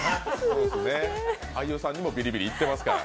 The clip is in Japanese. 俳優さんにもビリビリいってますから。